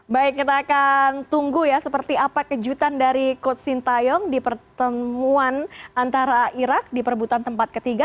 baik kita akan tunggu ya seperti apa kejutan dari coach sintayong di pertemuan antara irak di perebutan tempat ketiga